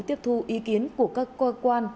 tiếp thu ý kiến của các cơ quan